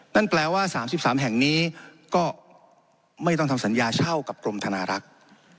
นั่นแปลว่า๓๓แห่งนี้ก็ไม่ต้องทำสัญญาเช่ากับกรมธนารักษ์